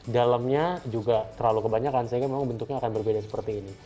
dalamnya juga terlalu kebanyakan sehingga memang bentuknya akan berbeda seperti ini